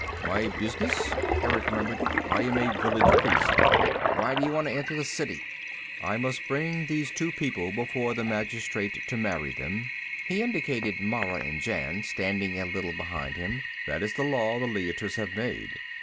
"My business?" Erick murmured. "I am a village priest." "Why do you want to enter the City?" "I must bring these two people before the magistrate to marry them." He indicated Mara and Jan, standing a little behind him. "That is the Law the Leiters have made."